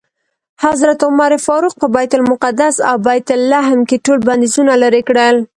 حضرت عمر فاروق په بیت المقدس او بیت لحم کې ټول بندیزونه لرې کړل.